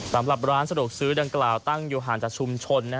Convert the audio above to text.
สำหรับร้านสะดวกซื้อดังกล่าวตั้งอยู่ห่างจากชุมชน